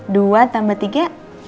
dua tambah tiga